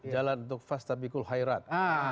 jalan untuk fasta bikul khairat